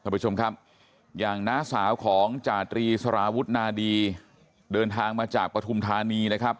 ผู้ชมครับอย่างน้าสาวของจาตรีสารวุฒนาดีเดินทางมาจากปฐุมธานีนะครับ